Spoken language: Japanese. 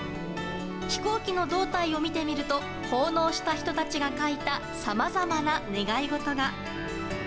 飛行機の胴体を見てみると奉納した人たちが書いたさまざまな願い事が。